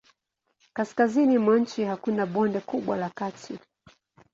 Kaskazini mwa nchi hakuna bonde kubwa la kati.